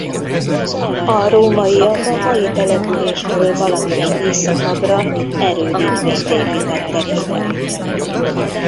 A rómaiak a mai településtől valamivel északabbra erődítményt építettek ide.